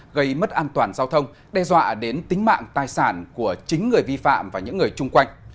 gây mất an toàn giao thông đe dọa đến tính mạng tài sản của chính người vi phạm và những người chung quanh